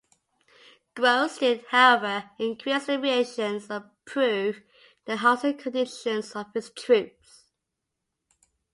Grose did, however, increase the rations and improve the housing conditions of his troops.